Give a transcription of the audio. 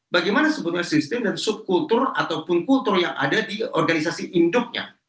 bagaimana sebetulnya sistem dan subkultur ataupun kultur yang ada di organisasi induknya